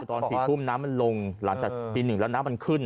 ตอน๔ทุ่มน้ำมันลงหลังจากตี๑แล้วน้ำมันขึ้น